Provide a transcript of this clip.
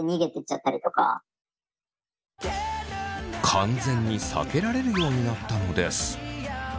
完全に避けられるようになったのです。